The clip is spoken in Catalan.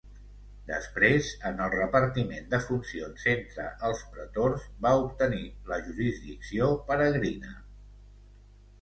Després en el repartiment de funcions entre els pretors va obtenir la jurisdicció peregrina.